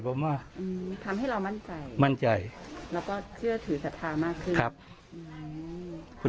เพราะว่าทำให้เรามั่นใจมั่นใจแต่ก็เชื่อถือสาธารณ์มากขึ้น